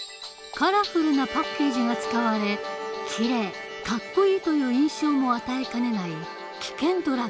カラフルなパッケージが使われ「きれい」「かっこいい」という印象も与えかねない